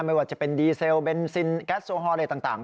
ไม่ว่าจะเป็นดีเซลเบนซินแก๊สโซฮอลอะไรต่าง